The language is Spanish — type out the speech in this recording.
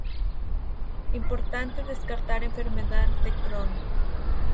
Importante descartar enfermedad de Crohn.